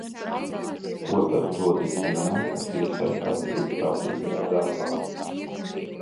Ko tas dod ikvienam, kas iesaistās brīvprātīgajā darbā?